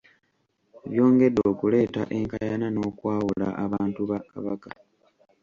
Byongedde okuleeta enkaayana n’okwawula abantu ba Kabaka.